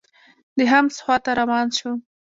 د حمص خوا ته روان شو.